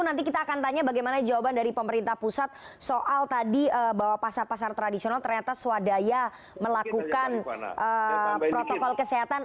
nanti kita akan tanya bagaimana jawaban dari pemerintah pusat soal tadi bahwa pasar pasar tradisional ternyata swadaya melakukan protokol kesehatan